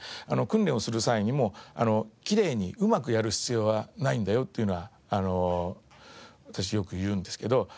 訓練をする際にもきれいにうまくやる必要はないんだよっていうのは私よく言うんですけど。